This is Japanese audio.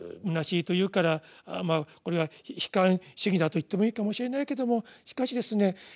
空しいと言うからこれは悲観主義だと言ってもいいかもしれないけどもしかしですね